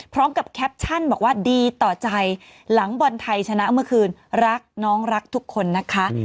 พร้อมกับแคปชั่นบอกว่าดีต่อใจหลังบอลไทยชนะเมื่อคืนรักน้องรักทุกคนนะคะ